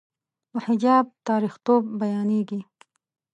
د حجاب تاریخيتوب بیانېږي.